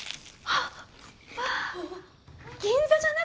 あっ！